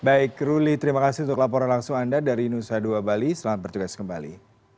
baik ruli terima kasih untuk laporan langsung anda dari nusa dua bali selamat bertugas kembali